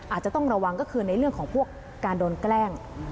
อาจจะต้องระวังก็คือในเรื่องของพวกการโดนแกล้ง